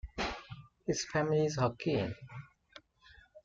His family is Hokkien.